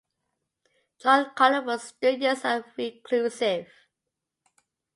John Colin was studious and reclusive.